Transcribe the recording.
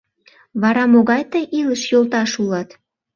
Вара могай тый илыш йолташ улат?